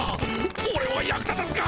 オレは役立たずか！